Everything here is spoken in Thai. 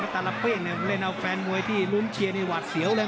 ตาระเป้งเล่นเอาแฟนมวยที่ลุ้มเชียร์ในหวัดเสียวเลย